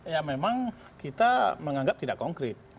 ya memang kita menganggap tidak konkret